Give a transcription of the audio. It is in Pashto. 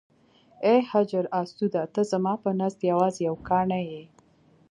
ای حجر اسوده ته زما په نزد یوازې یو کاڼی یې.